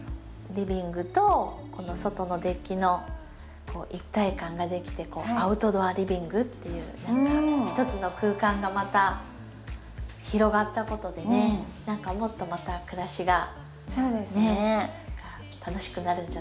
リビングと外のデッキの一体感ができてアウトドアリビングっていうひとつの空間がまた広がったことでね何かもっとまた暮らしがね楽しくなるんじゃないかなって。